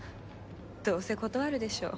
どうせ断るでしょ。